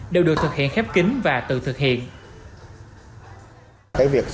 đều được thực hiện khép kính và tự thực hiện